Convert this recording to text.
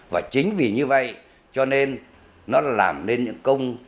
và chính vì như vậy cho nên nó làm nên những công